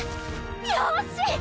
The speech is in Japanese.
よし！